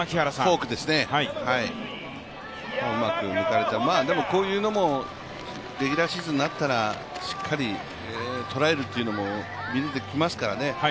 フォークですね、うまく抜かれて、こういうのもレギュラーシーズンになったらしっかり捉えるというのも見えてきますからね